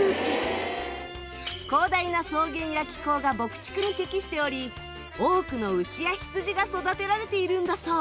広大な草原や気候が牧畜に適しており多くの牛や羊が育てられているんだそう。